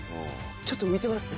ちょっと浮いてます。